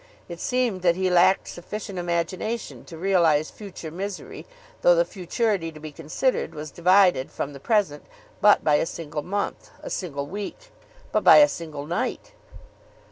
It seemed that he lacked sufficient imagination to realise future misery though the futurity to be considered was divided from the present but by a single month, a single week, but by a single night.